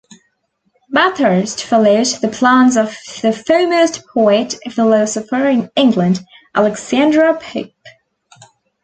Bathurst followed the plans of the foremost poet-philosopher in England, Alexander Pope.